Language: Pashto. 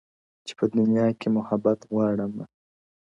چي په دنيا کي محبت غواړمه;